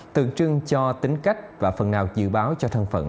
tượng trưng cho tính cách và phần nào dự báo cho thân phận